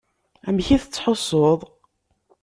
Amek i tettḥussuḍ?